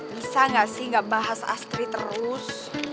bisa gak sih gak bahas astrid terus